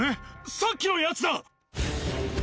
さっきのやつだ。